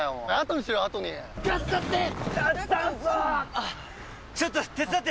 あっちょっと手伝って！